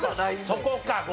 そこか。